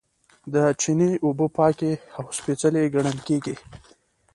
د چینې اوبه پاکې او سپیڅلې ګڼل کیږي.